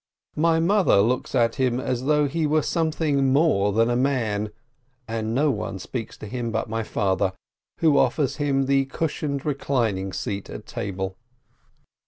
My mother looks at him as though he were something more than a man, and no one speaks to him but my father, who offers him the cushioned reclining seat at table.